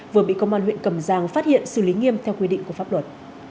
vừa bị công an huyện cầm giang phát hiện xử lý nghiêm theo quy định của pháp luật